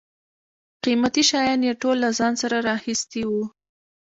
قیمتي شیان یې ټول له ځان سره را اخیستي و.